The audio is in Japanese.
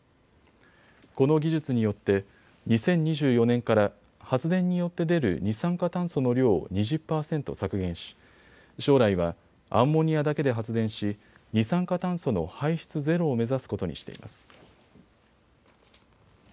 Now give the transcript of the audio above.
この技術によって２０２４年から発電によって出る二酸化炭素の量を２０％削減し将来はアンモニアだけで発電し二酸化炭素の排出ゼロを目指すことにしています。